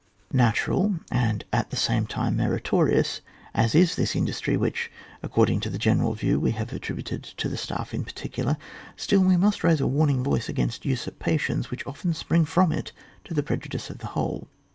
Natural, and at the same time merito rious, as is this industry which, ac cording to the general view, we have attributed to the staff in particular, still we must raise a warning voice against usurpations which often spring from it to the prejudice of the whole.